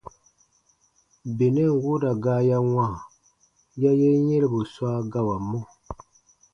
Benɛn wooda gaa ya wãa ya yen yɛ̃robu swa gawamɔ.